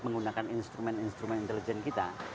menggunakan instrumen instrumen intelijen kita